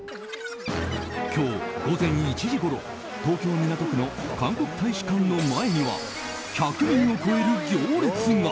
今日午前１時ごろ東京・港区の韓国大使館の前には１００人を超える行列が。